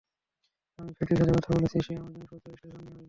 আমি ফেটির সাথে কথা বলেছি সে আমার জিনিসপত্র স্টেশন নিয়ে আসবে।